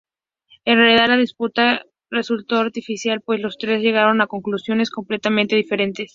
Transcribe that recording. En realidad, la disputa resultó artificial, pues los tres llegaron a conclusiones completamente diferentes.